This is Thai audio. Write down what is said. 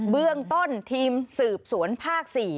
เบื้องต้นทีมสืบสวนภาค๔